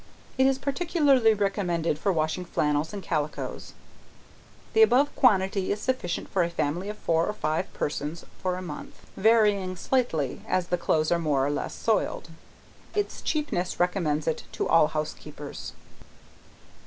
It is particularly recommended for washing flannels, and calicoes. The above quantity is sufficient for a family of four or five persons for a month, varying slightly as the clothes are more or less soiled. Its cheapness recommends it to all housekeepers.